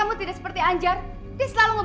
ya udah kita cari sekarang